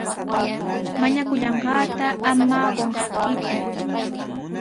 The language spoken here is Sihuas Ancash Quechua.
Mañakullanqaata ama qunqakiku.